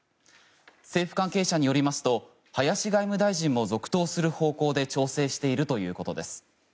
政府関係者によりますと林外務大臣も続投する方向で調整しているということです。